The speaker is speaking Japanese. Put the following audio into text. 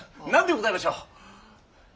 何でございましょう。